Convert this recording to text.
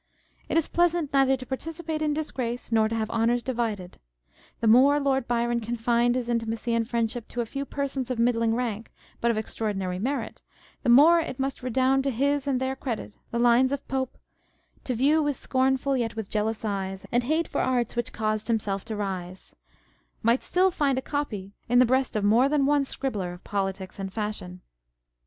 It is pleasant neither to par ticipate in disgrace nor to have honours divided. The more Lord Byron confined his intimacy and friendship to a few persons of middling rank, but of extraordinary merit, the more it must redound to his and their credit the lines of Pope, To view with scornful, yet with jealous eyes, And hate for arts which caused himself to rise, might still find a copy in the breast of more than one 536 On the Jealousy and the Spleen of Party. scribbler of politics and fashion.